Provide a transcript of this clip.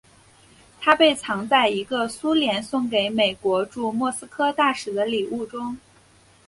它被藏在一个苏联送给美国驻莫斯科大使的礼物中。